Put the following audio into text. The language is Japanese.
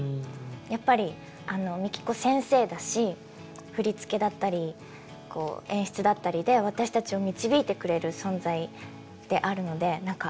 やっぱりあのＭＩＫＩＫＯ先生だし振り付けだったりこう演出だったりで私たちを導いてくれる存在であるので何か